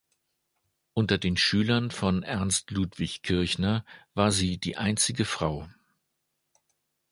Unter den Schülern von Ernst Ludwig Kirchner war sie die einzige Frau.